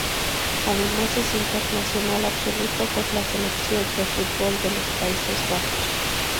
Además es internacional absoluto con la selección de fútbol de los Países Bajos.